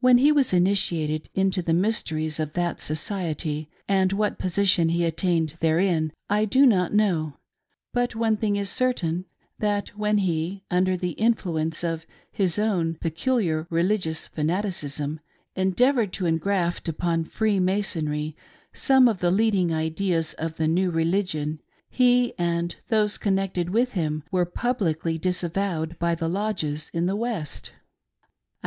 When he was initiated into the mysteries of that society, and what position he attained therein, I do not know ; but one thing is certain, that when he, under the influence of his own peculiar religious fanaticism, endeavored to engraft upon Freemasonry some of the leading ideas of the new religion, he and those connected with him were publicly disavowed by the lodges in the West. I